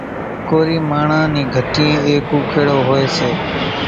ڪورِي ماڻۿان نِي گھٽيئين ايڪ اُوڪيڙو هوئيَ سي۔